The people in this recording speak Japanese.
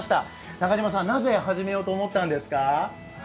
中島さん、なぜ始めようと思ったんですか？